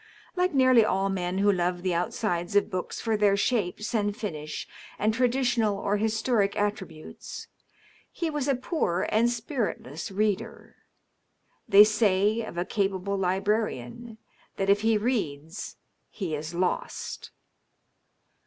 Like nearly all men who love the outsides of books for their shapes and finish and tradi tional or historic attributes, he was a poor ana spiritless reader. They say of a capable librarian that if he reads he is lost.